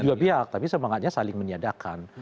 di dua pihak tapi semangatnya saling menyadarkan